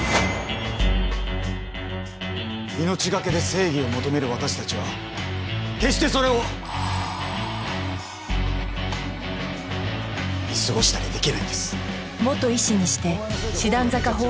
命懸けで正義を求める私たちは決してそれを見過ごしたりできないんです。